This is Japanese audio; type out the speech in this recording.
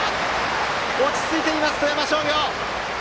落ち着いています、富山商業。